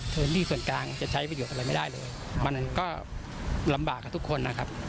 ส่วนหนี้ส่วนกลางจะใช้ประโยชน์อะไรไม่ได้เลยมันก็ลำบากกับทุกคนนะครับ